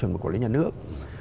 một quản lý nhà nước